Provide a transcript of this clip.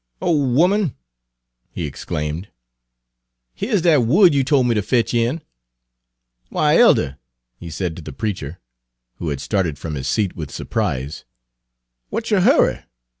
"Ole 'oman," he exclaimed, "here's dat wood you tol' me ter fetch in! Why, elder," he said to the preacher, who had started from his seat with surprise, "w'at's yo' hurry?